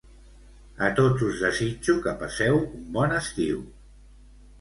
A tots us desitjo que passeu un bon estiu!